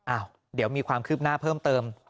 อ้าวเดี๋ยวมีความคืบหน้าเพิ่มเติม